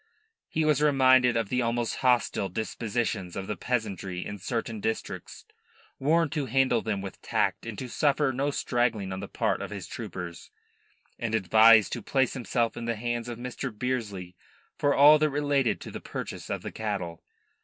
He was reminded of the almost hostile disposition of the peasantry in certain districts; warned to handle them with tact and to suffer no straggling on the part of his troopers; and advised to place himself in the hands of Mr. Bearsley for all that related to the purchase of the cattle.